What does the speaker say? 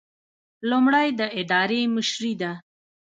لومړی د ادارې مشري ده.